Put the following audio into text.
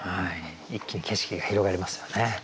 一気に景色が広がりますよね。